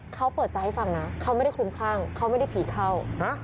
เขาเปิดใจให้ฟังนะเขาไม่ได้คลุมคลั่งเขาไม่ได้ผีเข้า